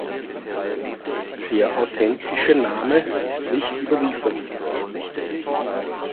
Der authentische Name ist nicht überliefert.